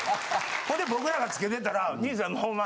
ほんで僕らがつけてたら兄さんホンマ